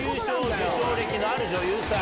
受賞歴のある女優さん。